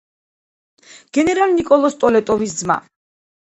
გენერალ ნიკოლოზ სტოლეტოვის ძმა.